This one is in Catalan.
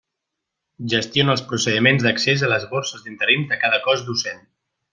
Gestiona els procediments d'accés a les borses d'interins de cada cos docent.